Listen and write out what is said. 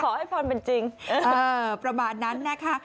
ให้พรเป็นจริงประมาณนั้นนะคะ